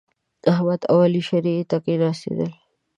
احمد او علي شرعې ته کېناستل.